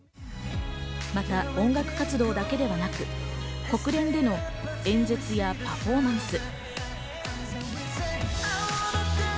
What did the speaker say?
また音楽活動だけではなく、国連での演説やパフォーマンス。